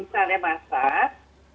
jadi kalo misalnya masak